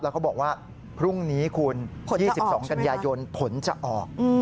เขาบอกว่าพรุ่งนี้คุณ๒๒กันยายนผลจะออก